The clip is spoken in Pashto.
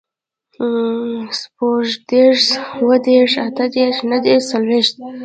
شپوږدېرس, اوهدېرس, اتهدېرس, نهدېرس, څلوېښت